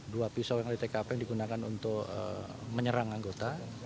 dua pisau yang di tkp yang digunakan untuk menyerang anggota